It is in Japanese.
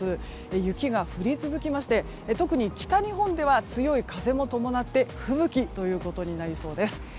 雪が降り続きまして特に北日本では強い風も伴って吹雪となりそうです。